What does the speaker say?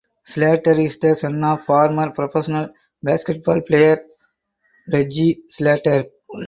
Slater is the son of former professional basketball player Reggie Slater.